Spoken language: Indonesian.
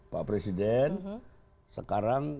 pak presiden sekarang